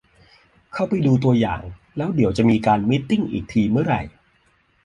เข้าไปดูตัวอย่าง แล้วเดี๋ยวจะมีการมีตติ้งอีกทีเมื่อไร